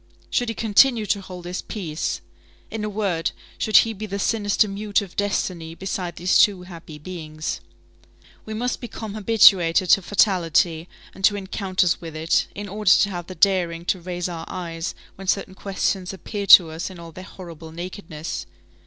Should he continue to hold his peace? In a word, should he be the sinister mute of destiny beside these two happy beings? We must have become habituated to fatality and to encounters with it, in order to have the daring to raise our eyes when certain questions appear to us in all their horrible nakedness.